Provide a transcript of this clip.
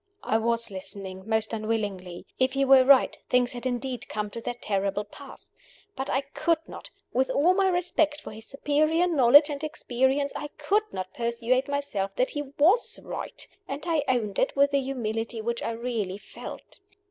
I was listening, most unwillingly. If he were right, things had indeed come to that terrible pass. But I could not with all my respect for his superior knowledge and experience I could not persuade myself that he was right. And I owned it, with the humility which I really felt.